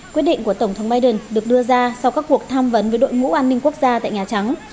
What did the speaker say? quyết định của tổng thống biden được đưa ra sau các cuộc tham vấn với đội ngũ an ninh quốc gia tại nhà trắng